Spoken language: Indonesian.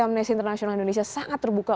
amnesty international indonesia sangat terbuka